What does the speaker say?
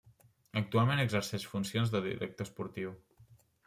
Actualment exerceix funcions de director esportiu.